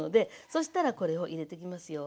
そしたらこれを入れてきますよ。